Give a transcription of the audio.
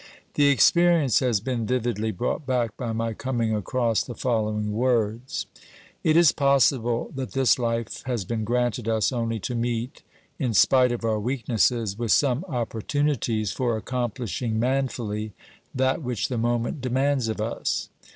The experience has been vividly brought back by my coming across the following words : It is possible that this life has been granted us only to meet, in spite of our weak nesses, with some opportunities for accomplishing manfully that which the moment demands of us.